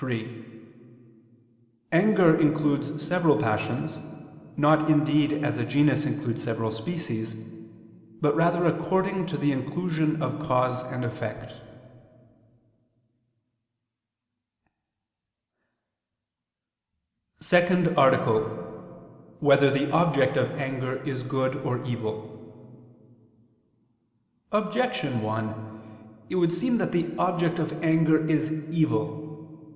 3: Anger includes several passions, not indeed as a genus includes several species; but rather according to the inclusion of cause and effect. ________________________ SECOND ARTICLE [I II, Q. 46, Art. 2] Whether the Object of Anger Is Good or Evil? Objection 1: It would seem that the object of anger is evil.